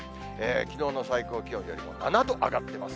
きのうの最高気温よりも７度上がってます。